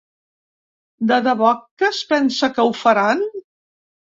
De debò que es pensa que ho faran?